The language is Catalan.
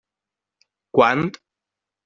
Quant?